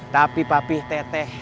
tapi papi teteh